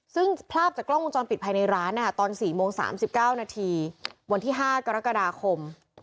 ซึ่งภาพจากกล้องวงจรปิดภายในร้านตอน๔โมง๓๙นาทีวันที่๕กรกฎาคม